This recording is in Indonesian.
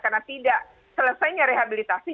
karena tidak selesainya rehabilitasi